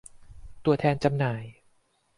ตัวแทนจำหน่าย